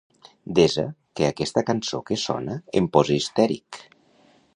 Desa que aquesta cançó que sona em posa histèric.